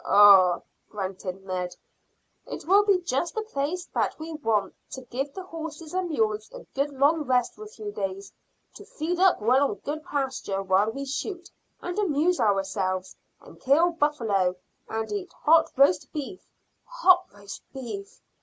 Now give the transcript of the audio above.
"Ah!" grunted Ned. "It will be just the place that we want, to give the horses and mules a good long rest for a few days, to feed up well on good pasture while we shoot, and amuse ourselves, and kill buffalo, and eat hot roast beef hot roast beef.